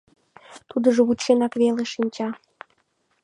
Тудыжо вученак веле шинча.